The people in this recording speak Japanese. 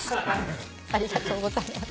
ありがとうございます。